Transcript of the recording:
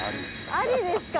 ありですか。